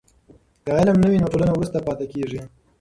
که علم نه وي نو ټولنه وروسته پاتې کېږي.